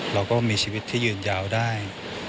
เราก็มีชีวิตที่ยืนยาวได้